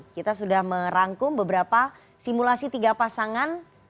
kita sudah merangkum beberapa simulasi tiga pasangan